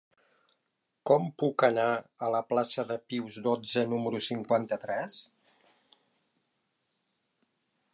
Com puc anar a la plaça de Pius dotze número cinquanta-tres?